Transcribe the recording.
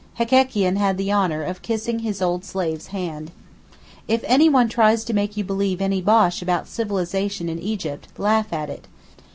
Hekekian had the honour of kissing his old slave's hand. If anyone tries to make you believe any bosh about civilization in Egypt, laugh at it.